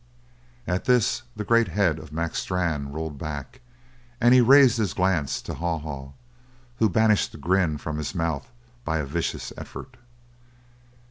At this the great head of Mac Strann rolled back and he raised his glance to Haw Haw, who banished the grin from his mouth by a vicious effort.